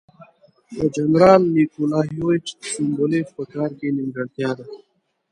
د جنرال نیکولایویچ سوبولیف په کار کې نیمګړتیا ده.